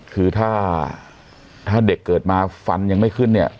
คือถ้าถ้าเด็กเกิดมาฟันยังไม่ขึ้นเนี่ย